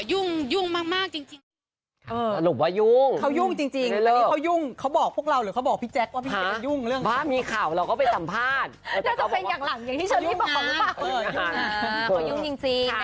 ยุ่งยุ่งมากจริง